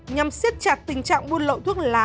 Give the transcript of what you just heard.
nhằm xiết chặt tình trạng buồn lậu thuốc lá